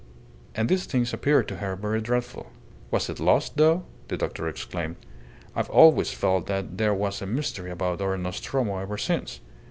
And these things appeared to her very dreadful. "Was it lost, though?" the doctor exclaimed. "I've always felt that there was a mystery about our Nostromo ever since.